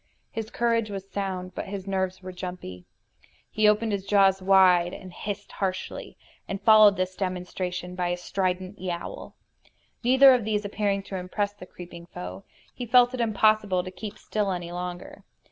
His courage was sound, but his nerves were jumpy. He opened his jaws wide and hissed harshly, and followed this demonstration by a strident yowl. Neither of these appearing to impress the creeping foe, he felt it impossible to keep still any longer.